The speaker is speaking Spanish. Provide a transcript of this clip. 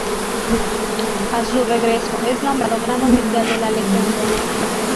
A su regreso, es nombrado gran oficial de la Legión de Honor.